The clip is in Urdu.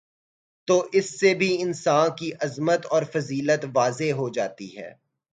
تو اس سے بھی انسان کی عظمت اور فضیلت واضح ہو جاتی ہے